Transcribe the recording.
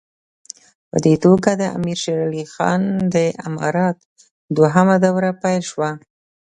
په دې توګه د امیر شېر علي خان د امارت دوهمه دوره پیل شوه.